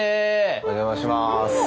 お邪魔します。